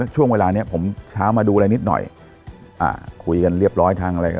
ช่วงเวลานี้ผมเช้ามาดูอะไรนิดหน่อยอ่าคุยกันเรียบร้อยทางอะไรก็